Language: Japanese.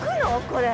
これ。